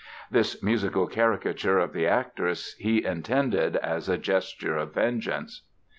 This musical caricature of the actress, he intended as a gesture of vengeance.